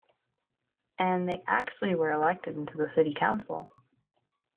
And they actually were elected into the city council.